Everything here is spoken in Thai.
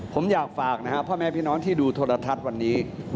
ผมอยากฝากนะครับพ่อแม่พี่น้องที่ดูโทรทัศน์วันนี้